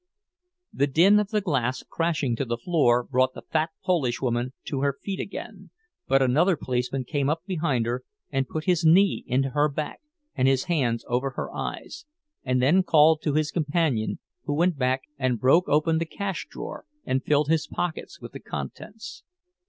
The din of the glass crashing to the floor brought the fat Polish woman to her feet again, but another policeman came up behind her and put his knee into her back and his hands over her eyes—and then called to his companion, who went back and broke open the cash drawer and filled his pockets with the contents.